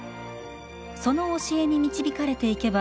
その教えに導かれていけば